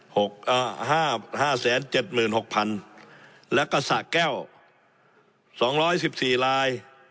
หกอ่าห้าห้าแสนเจ็ดหมื่นหกพันแล้วก็สะแก้วสองร้อยสิบสี่ลาย